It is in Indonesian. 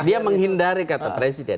dia menghindari kata presiden